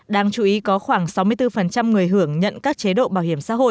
đáng chú ý có khoảng sáu mươi bốn người hưởng nhận các chế độ bảo hiểm xã hội